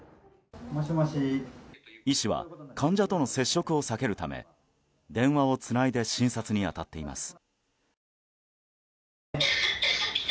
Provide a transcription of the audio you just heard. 医師は患者との接触を避けるため電話をつないで診察に当たっています。